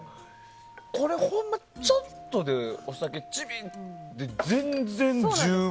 これはほんまにちょっとで、お酒チビッで全然十分。